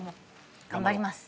頑張ります。